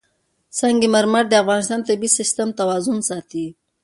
سنگ مرمر د افغانستان د طبعي سیسټم توازن ساتي.